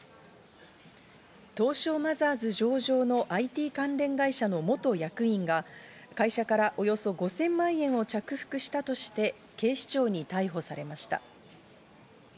東証マザーズ上場のＩＴ関連会社の元役員が会社からおよそ５０００万円を着服したとして、警視庁に逮捕されました。